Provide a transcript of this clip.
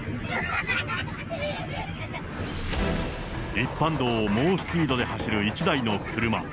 一般道を猛スピードで走る１台の車。